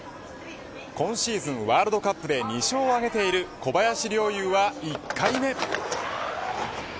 今シーズン、ワールドカップで２勝を挙げている小林陵侑は１回目。